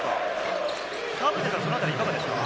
田臥さん、そのあたりいかがですか？